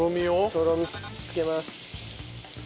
とろみつけます。